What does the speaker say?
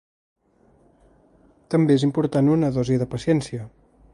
També és important una dosi de paciència.